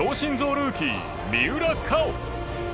ルーキー三浦佳生。